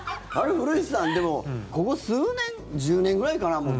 古市さん、でもここ数年、１０年ぐらいかな。